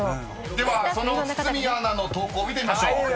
［ではその堤アナの投稿見てみましょう］